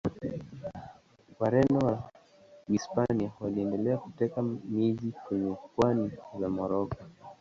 Wareno wa Wahispania waliendelea kuteka miji kwenye pwani za Moroko.